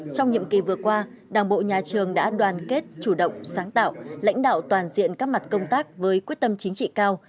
trong nhiệm kỳ vừa qua đảng bộ nhà trường đã đoàn kết chủ động sáng tạo lãnh đạo toàn diện các mặt công tác với quyết tâm chính trị cao